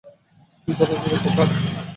কী ধরনের উপকার?